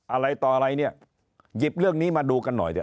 อะไรต่ออะไรเนี่ยหยิบเรื่องนี้มาดูกันหน่อยเนี่ย